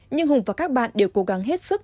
nhưng hùng và các bạn đều cố gắng hết sức